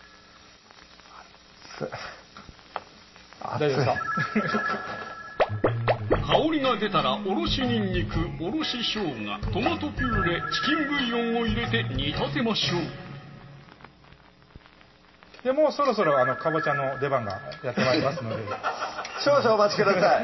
熱い香りが出たらおろしにんにく・おろししょうが・トマトピューレ・チキンブイヨンを入れて煮立てましょうそろそろかぼちゃの出番がやって参りますので少々お待ちください